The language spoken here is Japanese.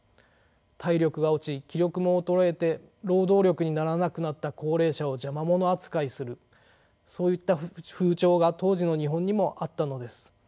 体力が落ち気力も衰えて労働力にならなくなった高齢者を邪魔者扱いするそういった風潮が当時の日本にもあったのです。